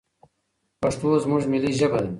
پښتو زموږ ملي ژبه ده.